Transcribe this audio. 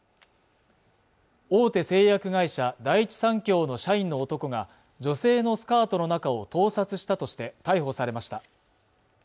大手製薬会社第一三共の社員の男が女性のスカートの中を盗撮したとして逮捕されました